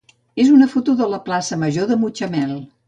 és una foto de la plaça major de Mutxamel.